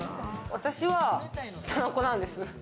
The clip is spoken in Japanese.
私は、たらこなんです。